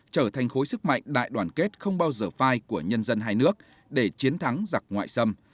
trở thành khối sức mạnh đại đoàn kết không bao giờ phai của nhân dân hai nước để chiến thắng giặc ngoại xâm